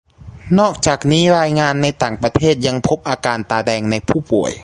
นอกจากนี้รายงานในต่างประเทศยังพบอาการตาแดงในผู้ป่วย